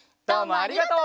ありがとう。